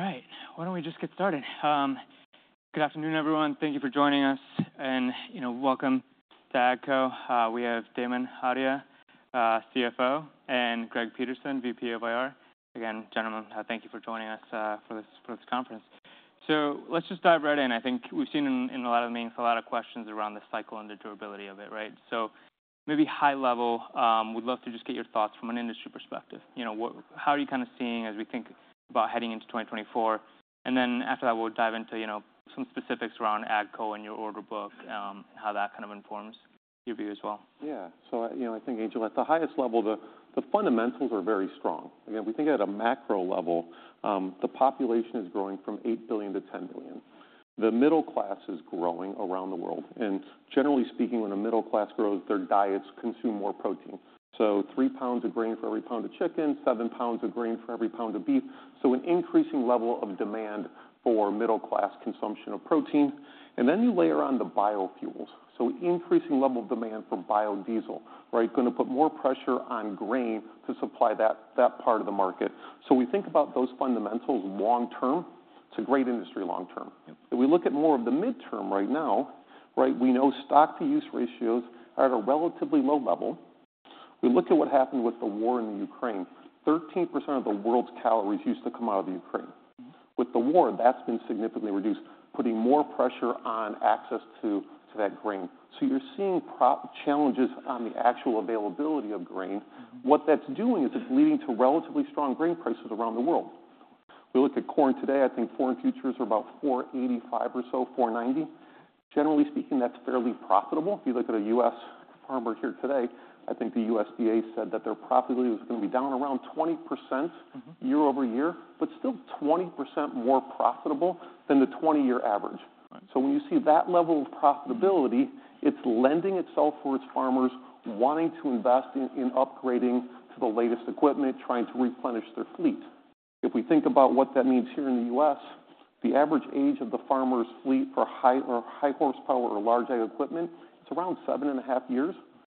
All right, why don't we just get started? Good afternoon, everyone. Thank you for joining us, and, you know, welcome to AGCO. We have Damon Audia, CFO, and Greg Peterson, VP of IR. Again, gentlemen, thank you for joining us for this conference. So let's just dive right in. I think we've seen in a lot of meetings a lot of questions around the cycle and the durability of it, right? So maybe high level, would love to just get your thoughts from an industry perspective. You know, how are you kind of seeing as we think about heading into 2024? And then after that, we'll dive into, you know, some specifics around AGCO and your order book, how that kind of informs your view as well. Yeah. So, you know, I think, Angel, at the highest level, the, the fundamentals are very strong. Again, we think at a macro level, the population is growing from 8 billion to 10 billion. The middle class is growing around the world, and generally speaking, when the middle class grows, their diets consume more protein, so 3 pounds of grain for every pound of chicken, 7 pounds of grain for every pound of beef. So an increasing level of demand for middle-class consumption of protein. And then you layer on the biofuels, so increasing level of demand for biodiesel, right? Gonna put more pressure on grain to supply that, that part of the market. So we think about those fundamentals long-term, it's a great industry long-term. Yep. If we look at more of the midterm right now, right, we know stock-to-use ratios are at a relatively low level. We look at what happened with the war in the Ukraine. 13% of the world's calories used to come out of Ukraine. Mm-hmm. With the war, that's been significantly reduced, putting more pressure on access to that grain. So you're seeing price challenges on the actual availability of grain. Mm-hmm. What that's doing is it's leading to relatively strong grain prices around the world. We look at corn today, I think corn futures are about $4.85 or so, $4.90. Generally speaking, that's fairly profitable. If you look at a U.S. farmer here today, I think the USDA said that their profitability was gonna be down around 20%- Mm-hmm year-over-year, but still 20% more profitable than the 20-year average. Right. So when you see that level of profitability, it's lending itself towards farmers wanting to invest in upgrading to the latest equipment, trying to replenish their fleet. If we think about what that means here in the U.S., the average age of the farmer's fleet for high horsepower or large ag equipment, it's around 7.5 years.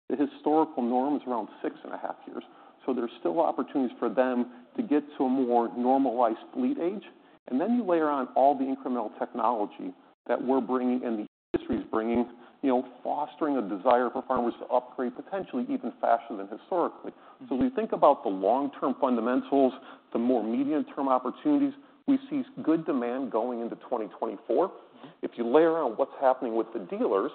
The historical norm is around 6.5 years. So there's still opportunities for them to get to a more normalized fleet age. And then you layer on all the incremental technology that we're bringing and the industry is bringing, you know, fostering a desire for farmers to upgrade, potentially even faster than historically. Mm-hmm. When you think about the long-term fundamentals, the more medium-term opportunities, we see good demand going into 2024. Mm-hmm. If you layer on what's happening with the dealers-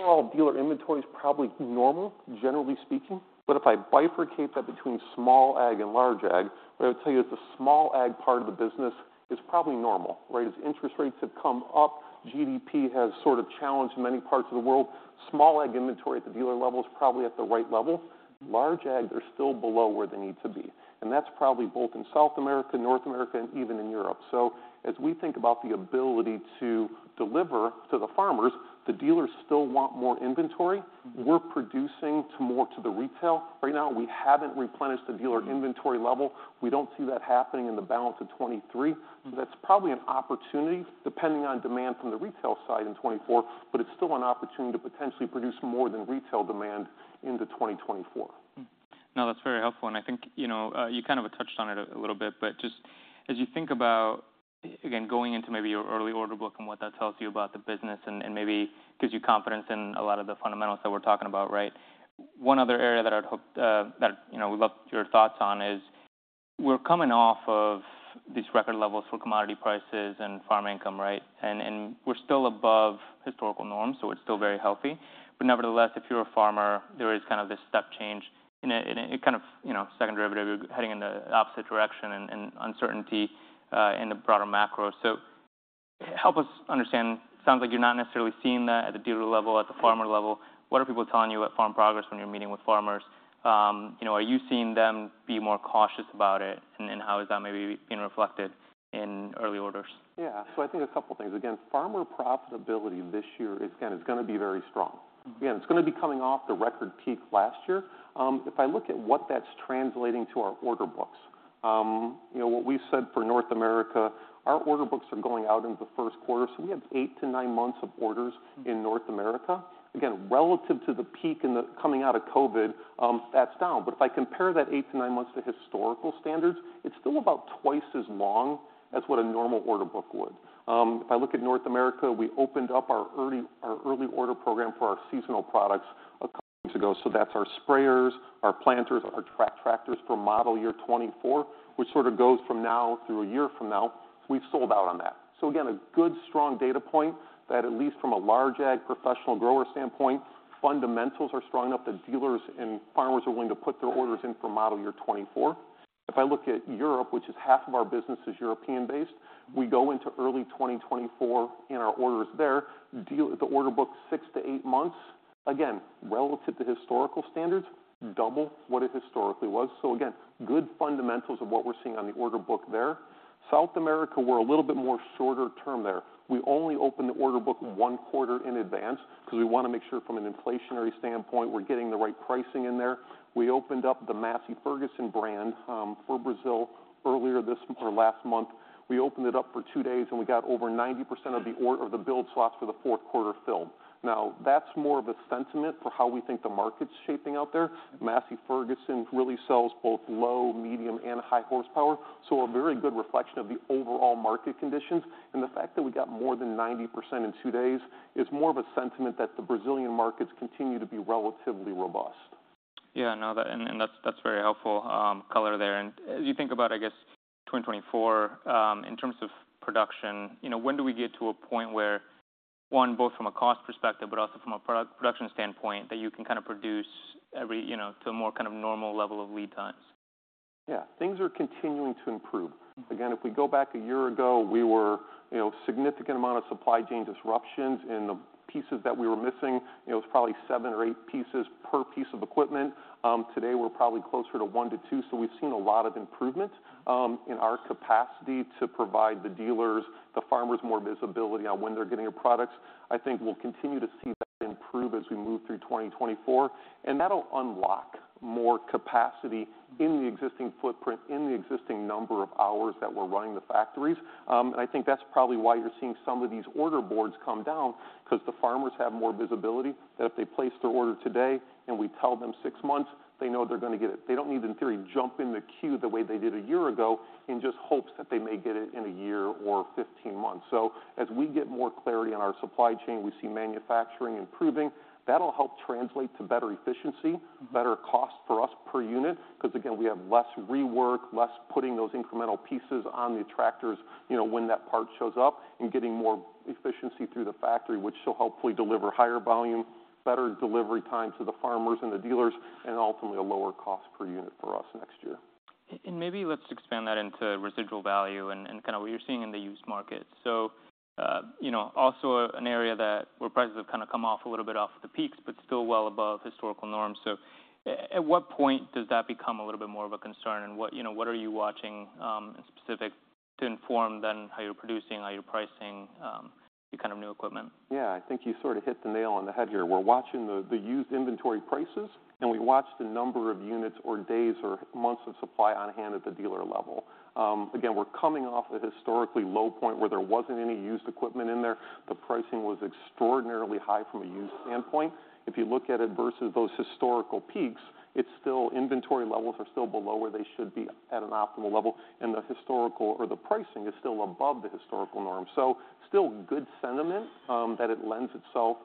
Mm-hmm overall, dealer inventory is probably normal, generally speaking. But if I bifurcate that between Small Ag and Large Ag, I would tell you that the Small Ag part of the business is probably normal, right? As interest rates have come up, GDP has sort of challenged many parts of the world. Small Ag inventory at the dealer level is probably at the right level. Large Ag, they're still below where they need to be, and that's probably both in South America, North America, and even in Europe. So as we think about the ability to deliver to the farmers, the dealers still want more inventory. Mm-hmm. We're producing to more to the retail. Right now, we haven't replenished the dealer inventory level. We don't see that happening in the balance of 2023. Mm-hmm. That's probably an opportunity, depending on demand from the retail side in 2024, but it's still an opportunity to potentially produce more than retail demand into 2024. Mm-hmm. No, that's very helpful, and I think, you know, you kind of touched on it a little bit, but just as you think about, again, going into maybe your early order book and what that tells you about the business and, and maybe gives you confidence in a lot of the fundamentals that we're talking about, right? One other area that I'd hope that, you know, we'd love your thoughts on is, we're coming off of these record levels for commodity prices and farm income, right? And, and we're still above historical norms, so it's still very healthy. But nevertheless, if you're a farmer, there is kind of this step change in a, in a kind of, you know, second derivative heading in the opposite direction and, and uncertainty in the broader macro. So help us understand. Sounds like you're not necessarily seeing that at the dealer level, at the farmer level. What are people telling you at Farm Progress when you're meeting with farmers? You know, are you seeing them be more cautious about it, and then how is that maybe being reflected in early orders? Yeah. So I think a couple things. Again, farmer profitability this year is kinda it's gonna be very strong. Mm-hmm. Again, it's gonna be coming off the record peak last year. If I look at what that's translating to our order books, you know, what we've said for North America, our order books are going out into the first quarter, so we have 8-9 months of orders- Mm-hmm In North America. Again, relative to the peak in the coming out of COVID, that's down. But if I compare that 8-9 months to historical standards, it's still about twice as long as what a normal order book would. If I look at North America, we opened up our early order program for our seasonal products a couple weeks ago. So that's our sprayers, our planters, our track tractors for model year 2024, which sort of goes from now through a year from now. We've sold out on that. So again, a good, strong data point that at least from a large ag professional grower standpoint, fundamentals are strong enough that dealers and farmers are willing to put their orders in for model year 2024. If I look at Europe, which is half of our business is European-based, we go into early 2024, and our orders there, the order book 6-8 months. Again, relative to historical standards, double what it historically was. So again, good fundamentals of what we're seeing on the order book there. South America, we're a little bit more shorter term there. We only open the order book one quarter in advance because we wanna make sure from an inflationary standpoint, we're getting the right pricing in there. We opened up the Massey Ferguson brand for Brazil earlier this or last month. We opened it up for 2 days, and we got over 90% of the build slots for the fourth quarter filled. Now, that's more of a sentiment for how we think the market's shaping out there. Massey Ferguson really sells both low, medium, and high horsepower, so a very good reflection of the overall market conditions. The fact that we got more than 90% in two days is more of a sentiment that the Brazilian markets continue to be relatively robust. Yeah, I know that, and, and that's, that's very helpful, color there. And as you think about, I guess, 2024, in terms of production, you know, when do we get to a point where, one, both from a cost perspective, but also from a production standpoint, that you can kind of produce every, you know, to a more kind of normal level of lead times? Yeah. Things are continuing to improve. Again, if we go back a year ago, we were, you know, significant amount of supply chain disruptions, and the pieces that we were missing, you know, it was probably 7 or 8 pieces per piece of equipment. Today, we're probably closer to 1-2, so we've seen a lot of improvement, in our capacity to provide the dealers, the farmers, more visibility on when they're getting their products. I think we'll continue to see that improve as we move through 2024, and that'll unlock more capacity in the existing footprint, in the existing number of hours that we're running the factories. And I think that's probably why you're seeing some of these order boards come down, 'cause the farmers have more visibility. That if they place their order today, and we tell them 6 months, they know they're gonna get it. They don't need, in theory, jump in the queue the way they did 1 year ago, in just hopes that they may get it in 1 year or 15 months. So as we get more clarity on our supply chain, we see manufacturing improving. That'll help translate to better efficiency, better cost for us per unit, 'cause, again, we have less rework, less putting those incremental pieces on the tractors, you know, when that part shows up, and getting more efficiency through the factory, which shall hopefully deliver higher volume, better delivery time to the farmers and the dealers, and ultimately, a lower cost per unit for us next year. And maybe let's expand that into residual value and kind of what you're seeing in the used market. So, you know, also an area where prices have kind of come off a little bit off of the peaks, but still well above historical norms. So at what point does that become a little bit more of a concern, and what, you know, what are you watching in specific to inform then how you're producing, how you're pricing the kind of new equipment? Yeah. I think you sort of hit the nail on the head here. We're watching the used inventory prices, and we watched the number of units or days or months of supply on hand at the dealer level. Again, we're coming off a historically low point where there wasn't any used equipment in there. The pricing was extraordinarily high from a used standpoint. If you look at it versus those historical peaks, it's still inventory levels are still below where they should be at an optimal level, and the historical or the pricing is still above the historical norm. So still good sentiment, that it lends itself,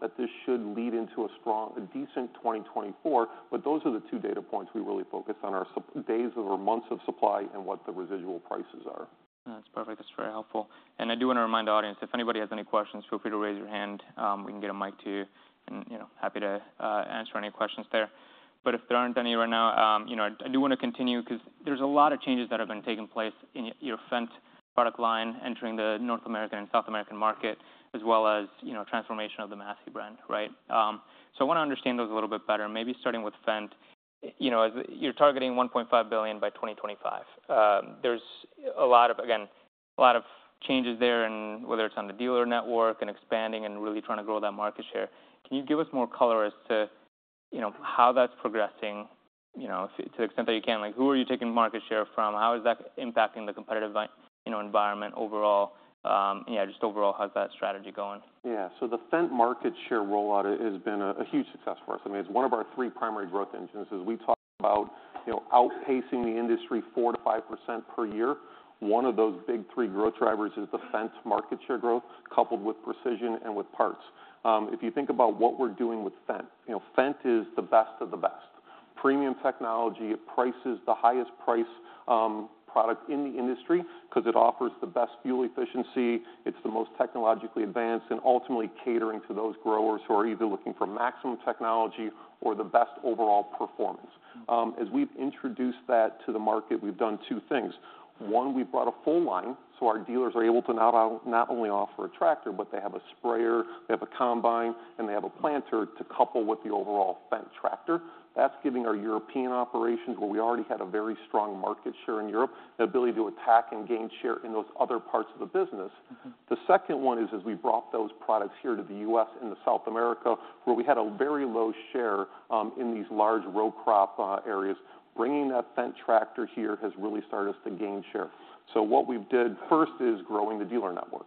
that this should lead into a strong, a decent 2024, but those are the two data points we really focus on, are supply days or months of supply and what the residual prices are. That's perfect. That's very helpful. And I do wanna remind the audience, if anybody has any questions, feel free to raise your hand. We can get a mic to you, and, you know, happy to answer any questions there. But if there aren't any right now, you know, I do wanna continue because there's a lot of changes that have been taking place in your Fendt product line entering the North American and South American market, as well as, you know, transformation of the Massey brand, right? So I wanna understand those a little bit better, maybe starting with Fendt. You know, you're targeting $1.5 billion by 2025. There's a lot of, again, a lot of changes there and whether it's on the dealer network and expanding and really trying to grow that market share. Can you give us more color as to, you know, how that's progressing, you know, to the extent that you can? Like, who are you taking market share from? How is that impacting the competitive, you know, environment overall? Yeah, just overall, how's that strategy going? Yeah. So the Fendt market share rollout has been a huge success for us. I mean, it's one of our three primary growth engines. As we talk about, you know, outpacing the industry 4-5% per year, one of those big three growth drivers is the Fendt market share growth, coupled with precision and with parts. If you think about what we're doing with Fendt, you know, Fendt is the best of the best. Premium technology. It prices the highest price, product in the industry because it offers the best fuel efficiency, it's the most technologically advanced, and ultimately catering to those growers who are either looking for maximum technology or the best overall performance. As we've introduced that to the market, we've done two things. One, we've brought a full line, so our dealers are able to not only offer a tractor, but they have a sprayer, they have a combine, and they have a planter to couple with the overall Fendt tractor. That's giving our European operations, where we already had a very strong market share in Europe, the ability to attack and gain share in those other parts of the business. Mm-hmm. The second one is, as we brought those products here to the U.S. and to South America, where we had a very low share, in these large row crop areas, bringing that Fendt tractor here has really started us to gain share. So what we've did first is growing the dealer network.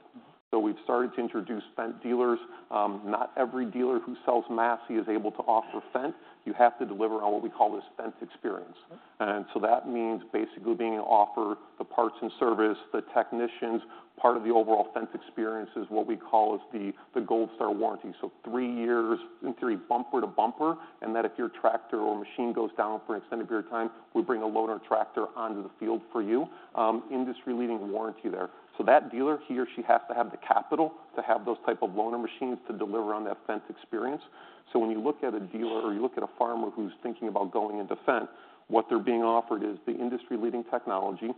So we've started to introduce Fendt dealers. Not every dealer who sells Massey is able to offer Fendt. You have to deliver on what we call this Fendt experience. Mm. That means basically being able to offer the parts and service, the technicians. Part of the overall Fendt experience is what we call the Gold Star Warranty, so three years, in theory, bumper to bumper, and that if your tractor or machine goes down for an extended period of time, we bring a loader tractor onto the field for you. Industry-leading warranty there. So that dealer, he or she, has to have the capital to have those type of loaner machines to deliver on that Fendt experience. So when you look at a dealer or you look at a farmer who's thinking about going into Fendt, what they're being offered is the industry-leading technology,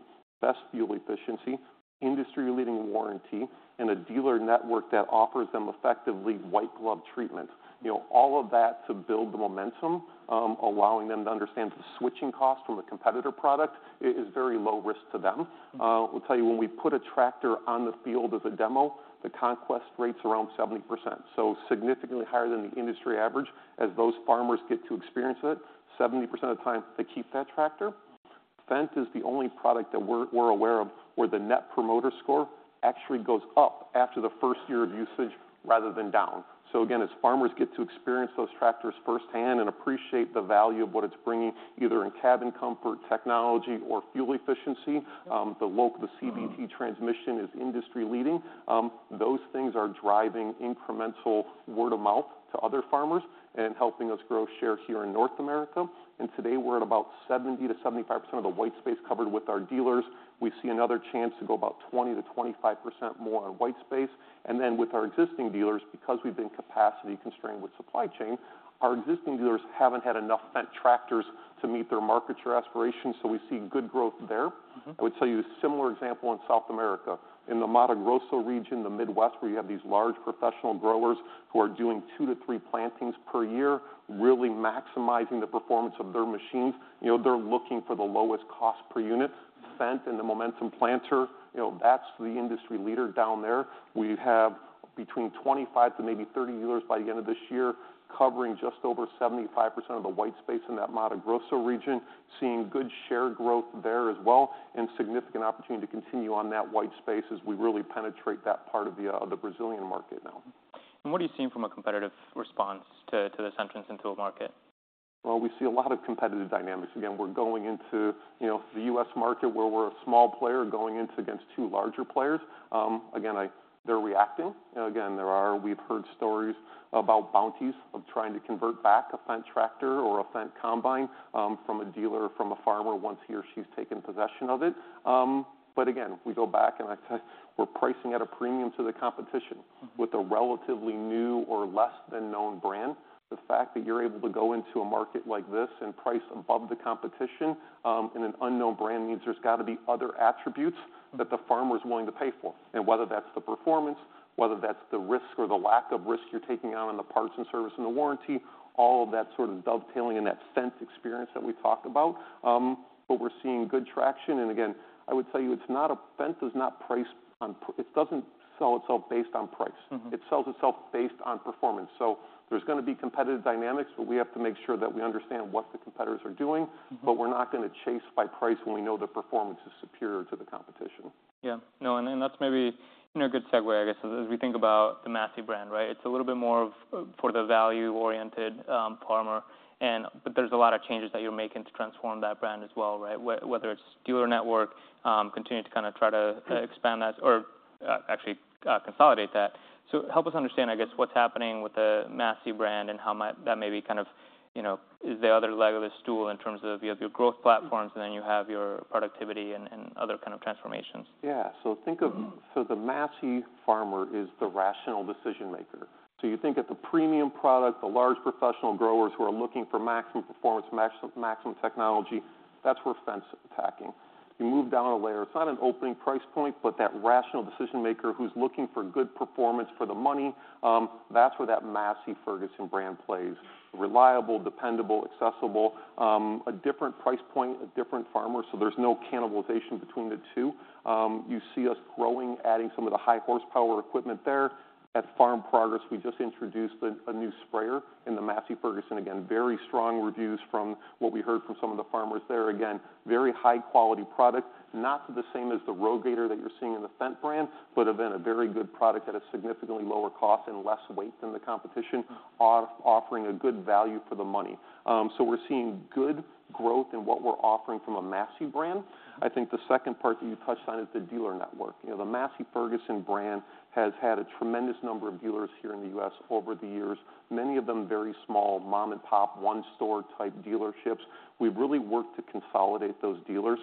best fuel efficiency, industry-leading warranty, and a dealer network that offers them effectively white glove treatment. You know, all of that to build the momentum, allowing them to understand the switching cost from a competitor product is very low risk to them. Mm. We'll tell you, when we put a tractor on the field as a demo, the conquest rate's around 70%, so significantly higher than the industry average. As those farmers get to experience it, 70% of the time, they keep that tractor. Fendt is the only product that we're aware of, where the Net Promoter Score actually goes up after the first year of usage rather than down. So again, as farmers get to experience those tractors firsthand and appreciate the value of what it's bringing, either in cabin comfort, technology, or fuel efficiency, the CVT transmission is industry leading. Those things are driving incremental word of mouth to other farmers and helping us grow share here in North America. And today we're at about 70%-75% of the white space covered with our dealers. We see another chance to go about 20%-25% more on White Space. And then with our existing dealers, because we've been capacity constrained with supply chain, our existing dealers haven't had enough Fendt tractors to meet their market or aspirations, so we see good growth there. Mm-hmm. I would tell you a similar example in South America, in the Mato Grosso region, the Midwest, where you have these large professional growers who are doing 2-3 plantings per year, really maximizing the performance of their machines. You know, they're looking for the lowest cost per unit. Fendt and the Momentum planter, you know, that's the industry leader down there. We have between 25 to maybe 30 dealers by the end of this year, covering just over 75% of the white space in that Mato Grosso region, seeing good share growth there as well, and significant opportunity to continue on that white space as we really penetrate that part of the, of the Brazilian market now. What are you seeing from a competitive response to this entrance into a market? Well, we see a lot of competitive dynamics. Again, we're going into, you know, the U.S. market, where we're a small player going into against two larger players. Again, they're reacting. Again, we've heard stories about bounties, of trying to convert back a Fendt tractor or a Fendt combine, from a dealer, from a farmer, once he or she's taken possession of it. But again, we go back, and we're pricing at a premium to the competition. Mm-hmm With a relatively new or less than known brand. The fact that you're able to go into a market like this and price above the competition, in an unknown brand, means there's got to be other attributes that the farmer's willing to pay for. And whether that's the performance, whether that's the risk or the lack of risk you're taking on in the parts and service and the warranty, all of that sort of dovetailing in that Fendt experience that we talked about. But we're seeing good traction. And again, I would tell you, Fendt is not priced on price. It doesn't sell itself based on price. Mm-hmm. It sells itself based on performance. So there's gonna be competitive dynamics, but we have to make sure that we understand what the competitors are doing. Mm-hmm. But we're not gonna chase by price when we know the performance is superior to the competition. Yeah. No, and then that's maybe in a good segue, I guess, as we think about the Massey brand, right? It's a little bit more of, for the value-oriented, farmer, and but there's a lot of changes that you're making to transform that brand as well, right? Whether it's dealer network, continuing to kind of try to, expand that or, actually, consolidate that. So help us understand, I guess, what's happening with the Massey brand and how much that may be kind of, you know, is the other leg of this stool in terms of you have your growth platforms, and then you have your productivity and other kind of transformations. Yeah. So think of- Mm-hmm. So the Massey farmer is the rational decision maker. So you think at the premium product, the large professional growers who are looking for maximum performance, maximum technology, that's where Fendt's attacking. You move down a layer, it's not an opening price point, but that rational decision maker who's looking for good performance for the money, that's where that Massey Ferguson brand plays. Reliable, dependable, accessible, a different price point, a different farmer, so there's no cannibalization between the two. You see us growing, adding some of the high horsepower equipment there. At Farm Progress, we just introduced a new sprayer in the Massey Ferguson. Again, very strong reviews from what we heard from some of the farmers there. Again, very high-quality product. Not the same as the Rogator that you're seeing in the Fendt brand, but again, a very good product at a significantly lower cost and less weight than the competition, offering a good value for the money. So we're seeing good growth in what we're offering from a Massey brand. I think the second part that you touched on is the dealer network. You know, the Massey Ferguson brand has had a tremendous number of dealers here in the U.S. over the years, many of them very small, mom and pop, one store type dealerships. We've really worked to consolidate those dealers.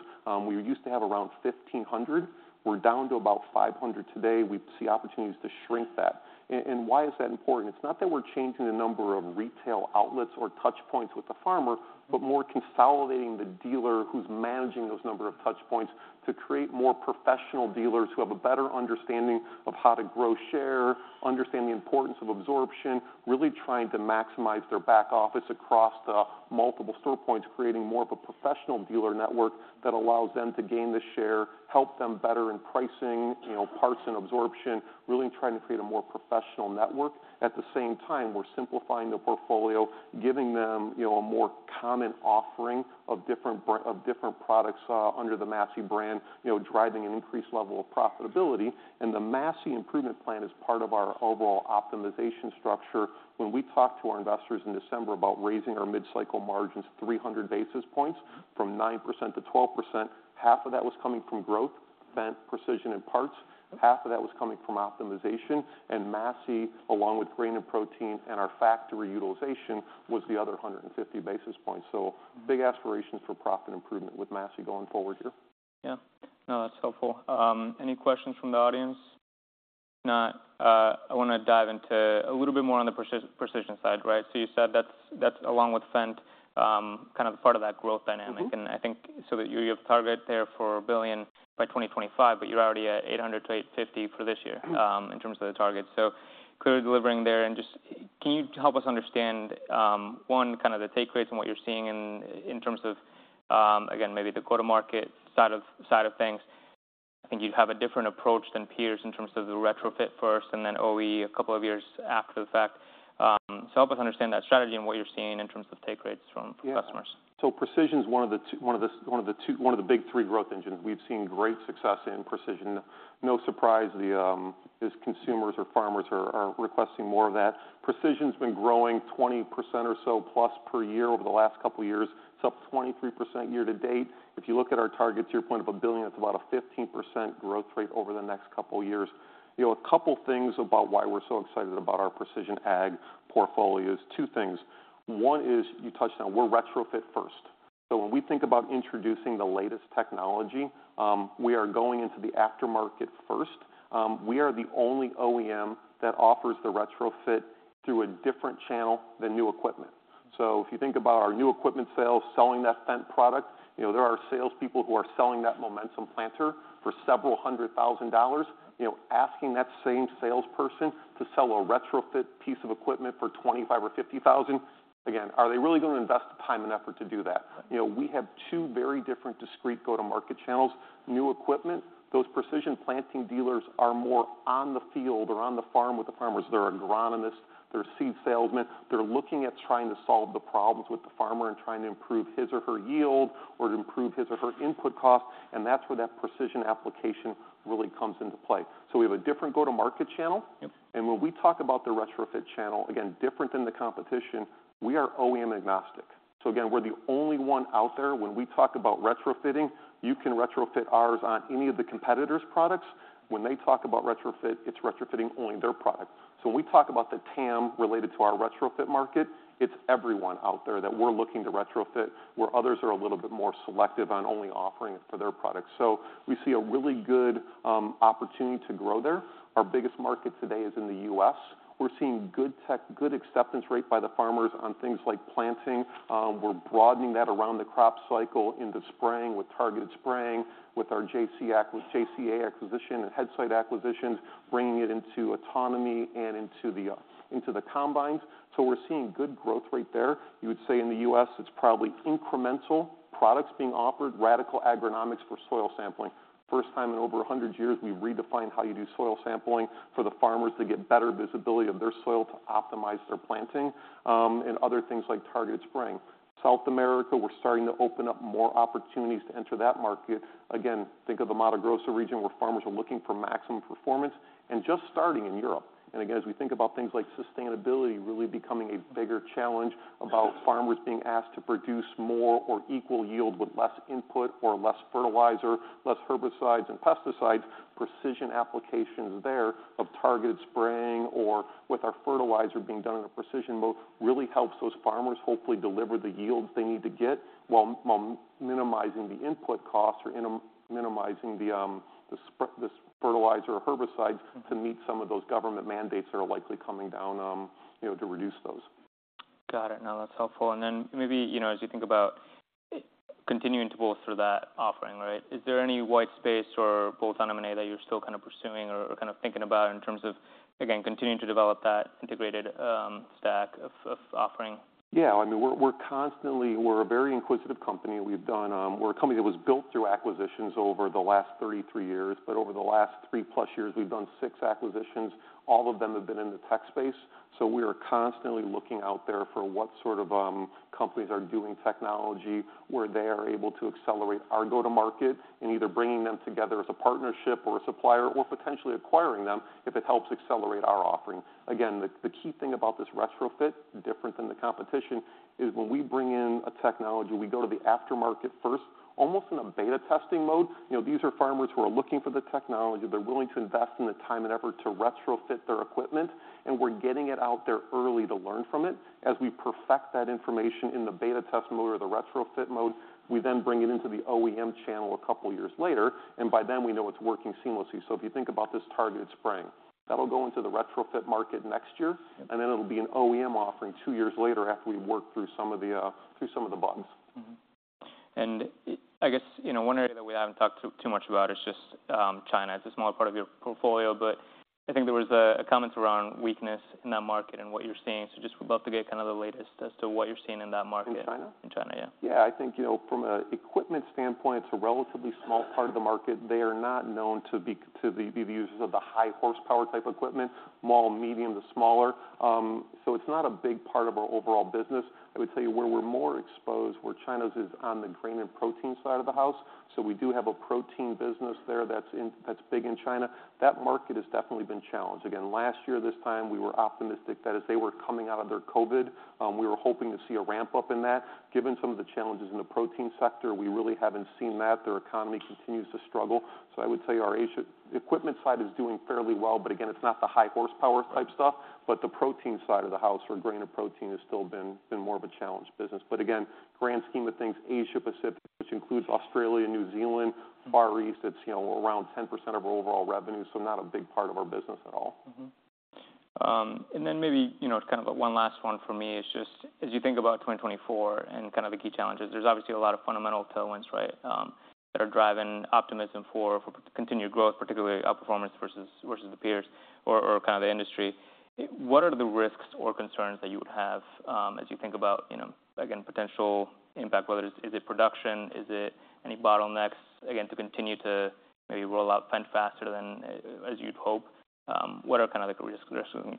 We used to have around 1,500. We're down to about 500 today. We see opportunities to shrink that. Why is that important? It's not that we're changing the number of retail outlets or touch points with the farmer, but more consolidating the dealer who's managing those number of touch points to create more professional dealers who have a better understanding of how to grow share, understand the importance of absorption, really trying to maximize their back office across the multiple store points, creating more of a professional dealer network that allows them to gain the share, help them better in pricing, you know, parts and absorption, really trying to create a more professional network. At the same time, we're simplifying the portfolio, giving them, you know, a more common offering of different of different products under the Massey brand, you know, driving an increased level of profitability. And the Massey Improvement Plan is part of our overall optimization structure. When we talked to our investors in December about raising our mid-cycle margins 300 basis points from 9% to 12%, half of that was coming from growth, Fendt, precision, and parts. Half of that was coming from optimization, and Massey, along with grain and protein and our factory utilization, was the other 150 basis points. So big aspirations for profit improvement with Massey going forward here. Yeah. No, that's helpful. Any questions from the audience? No. I wanna dive into a little bit more on the precision side, right? So you said that's, that's along with Fendt, kind of part of that growth dynamic. Mm-hmm. And I think, so that you have target there for $1 billion by 2025, but you're already at $800 million-$850 million for this year- Mm-hmm In terms of the target. So clearly delivering there, and just, can you help us understand, one, kind of the take rates and what you're seeing in, in terms of, again, maybe the go-to-market side of, side of things? I think you have a different approach than peers in terms of the retrofit first and then OE a couple of years after the fact. So help us understand that strategy and what you're seeing in terms of take rates from customers. Yeah. So precision is one of the big three growth engines. We've seen great success in precision. No surprise, the consumers or farmers are requesting more of that. Precision's been growing 20% or so plus per year over the last couple of years. It's up 23% year to date. If you look at our targets, your point of $1 billion, it's about a 15% growth rate over the next couple of years. You know, a couple things about why we're so excited about our precision ag portfolio is two things. One is, you touched on, we're retrofit first. So when we think about introducing the latest technology, we are going into the aftermarket first. We are the only OEM that offers the retrofit through a different channel than new equipment. So if you think about our new equipment sales, selling that Fendt product, you know, there are salespeople who are selling that Momentum planter for $several hundred thousand. You know, asking that same salesperson to sell a retrofit piece of equipment for $25,000 or $50,000, again, are they really going to invest the time and effort to do that? You know, we have two very different discrete go-to-market channels. New equipment, those Precision Planting dealers are more on the field or on the farm with the farmers. They're agronomists, they're seed salesmen. They're looking at trying to solve the problems with the farmer and trying to improve his or her yield or to improve his or her input costs, and that's where that precision application really comes into play. So we have a different go-to-market channel. Yep. And when we talk about the retrofit channel, again, different than the competition, we are OEM-agnostic. So again, we're the only one out there. When we talk about retrofitting, you can retrofit ours on any of the competitors' products. When they talk about retrofit, it's retrofitting only their product. So when we talk about the TAM related to our retrofit market, it's everyone out there that we're looking to retrofit, where others are a little bit more selective on only offering it for their products. So we see a really good opportunity to grow there. Our biggest market today is in the U.S. We're seeing good acceptance rate by the farmers on things like planting. We're broadening that around the crop cycle into spraying, with targeted spraying, with our JC Acq. JCA acquisition and Headside acquisitions, bringing it into autonomy and into the, into the combines. So we're seeing good growth rate there. You would say in the U.S., it's probably incremental products being offered, Radicle Agronomics for soil sampling. First time in over a hundred years, we've redefined how you do soil sampling for the farmers to get better visibility of their soil, to optimize their planting, and other things like targeted spraying. South America, we're starting to open up more opportunities to enter that market. Again, think of the Mato Grosso region, where farmers are looking for maximum performance, and just starting in Europe. And again, as we think about things like sustainability really becoming a bigger challenge about farmers being asked to produce more or equal yield with less input or less fertilizer, less herbicides and pesticides, precision applications thereof targeted spraying or with our fertilizer being done in a precision mode, really helps those farmers hopefully deliver the yields they need to get, while minimizes the input costs or minimizing the this fertilizer or herbicides to meet some of those government mandates that are likely coming down, you know, to reduce those. Got it. No, that's helpful. And then maybe, you know, as you think about continuing to bolster that offering, right, is there any white space or bolt-on M&A that you're still kind of pursuing or, or kind of thinking about in terms of, again, continuing to develop that integrated stack of offering? Yeah, I mean, we're constantly... We're a very inquisitive company. We've done. We're a company that was built through acquisitions over the last 33 years, but over the last 3+ years, we've done 6 acquisitions. All of them have been in the tech space. So we are constantly looking out there for what sort of companies are doing technology, where they are able to accelerate our go-to-market, and either bringing them together as a partnership or a supplier or potentially acquiring them if it helps accelerate our offering. Again, the key thing about this retrofit, different than the competition, is when we bring in a technology, we go to the aftermarket first, almost in a beta testing mode. You know, these are farmers who are looking for the technology. They're willing to invest in the time and effort to retrofit their equipment, and we're getting it out there early to learn from it. As we perfect that information in the beta test mode or the retrofit mode, we then bring it into the OEM channel a couple of years later, and by then we know it's working seamlessly. So if you think about this targeted spraying, that'll go into the retrofit market next year, and then it'll be an OEM offering two years later after we work through some of the bugs. Mm-hmm. And I guess, you know, one area that we haven't talked too much about is just, China. It's a smaller part of your portfolio, but I think there was a comment around weakness in that market and what you're seeing. So just would love to get kind of the latest as to what you're seeing in that market. In China? In China, yeah. Yeah, I think, you know, from an equipment standpoint, it's a relatively small part of the market. They are not known to be the users of the high horsepower type equipment, small, medium to smaller. So it's not a big part of our overall business. I would tell you, where we're more exposed, where China is on the grain and protein side of the house. So we do have a protein business there that's big in China. That market has definitely been challenged. Again, last year, this time, we were optimistic that as they were coming out of their COVID, we were hoping to see a ramp-up in that. Given some of the challenges in the protein sector, we really haven't seen that. Their economy continues to struggle. So I would say our Asia equipment side is doing fairly well, but again, it's not the high horsepower type stuff, but the protein side of the house, where grain and protein has still been more of a challenged business. But again, grand scheme of things, Asia Pacific, which includes Australia, New Zealand, Far East, it's, you know, around 10% of our overall revenue, so not a big part of our business at all. Mm-hmm. And then maybe, you know, kind of one last one for me is just as you think about 2024 and kind of the key challenges, there's obviously a lot of fundamental tailwinds, right, that are driving optimism for continued growth, particularly outperformance versus the peers or kind of the industry. What are the risks or concerns that you would have as you think about, you know, again, potential impact, whether is it production? Is it any bottlenecks, again, to continue to maybe roll out Fendt faster than as you'd hope? What are kind of the risk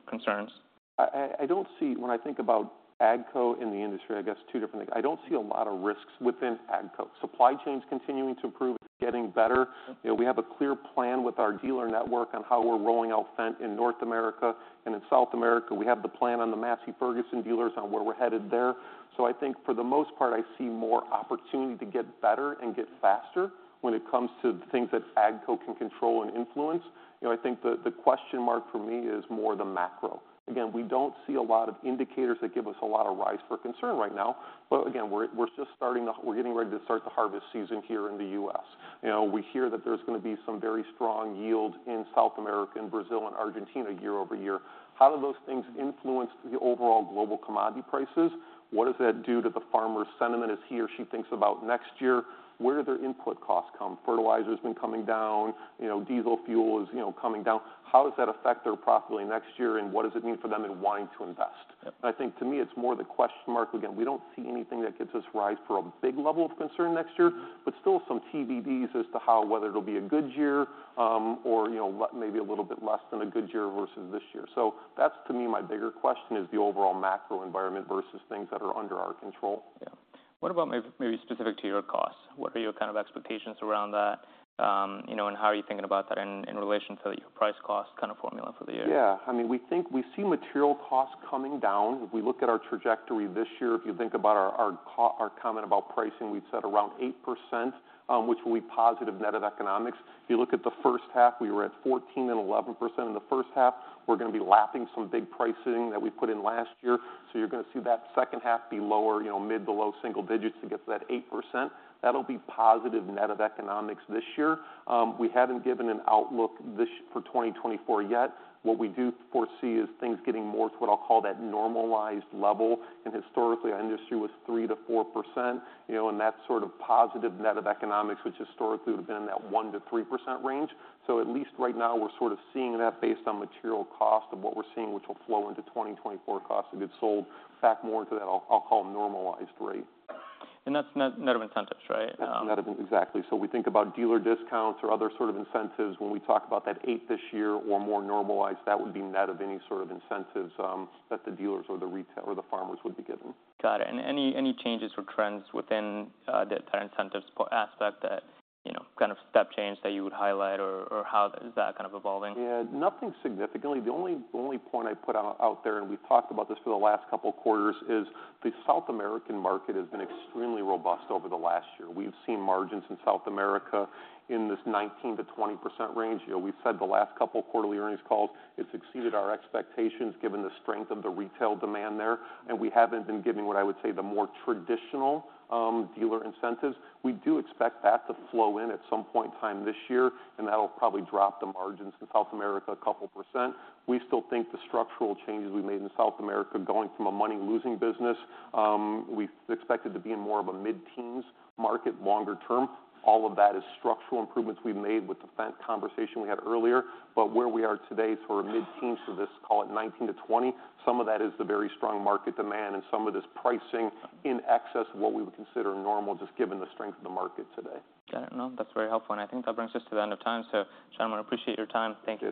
concerns? I don't see. When I think about AGCO in the industry, I guess two different things. I don't see a lot of risks within AGCO. Supply chain's continuing to improve, it's getting better. You know, we have a clear plan with our dealer network on how we're rolling out Fendt in North America and in South America. We have the plan on the Massey Ferguson dealers on where we're headed there. So I think for the most part, I see more opportunity to get better and get faster when it comes to the things that AGCO can control and influence. You know, I think the question mark for me is more the macro. Again, we don't see a lot of indicators that give us a lot of reason for concern right now, but again, we're just starting the... We're getting ready to start the harvest season here in the U.S. You know, we hear that there's going to be some very strong yield in South America and Brazil and Argentina year-over-year. How do those things influence the overall global commodity prices? What does that do to the farmer's sentiment as he or she thinks about next year? Where do their input costs come? Fertilizer's been coming down, you know, diesel fuel is, you know, coming down. How does that affect their profitability next year, and what does it mean for them in wanting to invest? I think to me, it's more the question mark. Again, we don't see anything that gives us rise for a big level of concern next year, but still some TBDs as to how whether it'll be a good year, or, you know, maybe a little bit less than a good year versus this year. So that's, to me, my bigger question is the overall macro environment versus things that are under our control. Yeah. What about maybe specific to your costs? What are your kind of expectations around that, you know, and how are you thinking about that in relation to your price cost kind of formula for the year? Yeah, I mean, we think we see material costs coming down. If we look at our trajectory this year, if you think about our comment about pricing, we've said around 8%, which will be positive net of economics. If you look at the first half, we were at 14% and 11% in the first half. We're going to be lapping some big pricing that we put in last year, so you're going to see that second half be lower, you know, mid- to low-single digits to get to that 8%. That'll be positive net of economics this year. We haven't given an outlook for 2024 yet. What we do foresee is things getting more to what I'll call that normalized level. Historically, our industry was 3%-4%, you know, and that sort of positive net of economics, which historically would have been in that 1%-3% range. At least right now, we're sort of seeing that based on material cost of what we're seeing, which will flow into 2024 costs if it's sold back more into that. I'll call normalized rate. And that's net, net of incentives, right? Net of... Exactly. So we think about dealer discounts or other sort of incentives when we talk about that 8 this year or more normalized, that would be net of any sort of incentives that the dealers or the retail or the farmers would be given. Got it. And any changes or trends within that incentives aspect that, you know, kind of step change that you would highlight or how is that kind of evolving? Yeah, nothing significantly. The only point I'd put out there, and we've talked about this for the last couple of quarters, is the South American market has been extremely robust over the last year. We've seen margins in South America in this 19%-20% range. You know, we've said the last couple of quarterly earnings calls, it's exceeded our expectations, given the strength of the retail demand there, and we haven't been giving what I would say the more traditional dealer incentives. We do expect that to flow in at some point in time this year, and that'll probably drop the margins in South America a couple%. We still think the structural changes we made in South America, going from a money-losing business, we expect it to be in more of a mid-teens market longer term. All of that is structural improvements we've made with the Fendt conversation we had earlier. But where we are today is we're a mid-teen, so this, call it 19%-20%. Some of that is the very strong market demand and some of this pricing in excess of what we would consider normal, just given the strength of the market today. Got it. No, that's very helpful, and I think that brings us to the end of time. So, Damon I appreciate your time. Thank you.